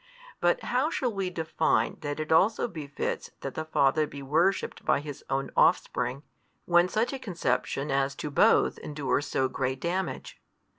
But how shall we define that it also befits that the Father be worshipped by His Own offspring, when such a conception as to Both endures so great damage?